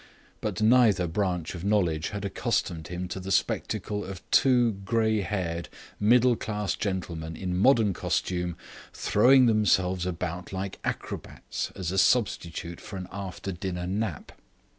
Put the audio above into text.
But neither branch of knowledge had accustomed him to the spectacle of two grey haired middle class gentlemen in modern costume throwing themselves about like acrobats as a substitute for an after dinner nap.